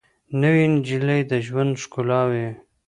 نوې نجلۍ د ژوند ښکلا وي